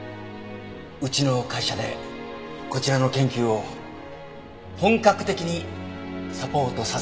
うちの会社でこちらの研究を本格的にサポートさせてください。